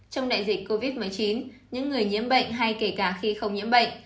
trong đại dịch covid một mươi chín những người nhiễm bệnh hay kể cả khi không nhiễm bệnh